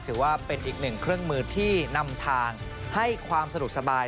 ถือว่าเป็นอีกหนึ่งเครื่องมือที่นำทางให้ความสะดวกสบาย